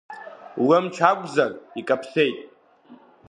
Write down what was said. Лымч акәзар, икаԥсеит.